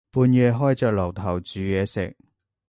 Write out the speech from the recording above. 半夜開着爐頭煮嘢食